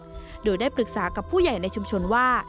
โดยได้ปรึกษากับผู้ใหญ่ในชุมชนว่า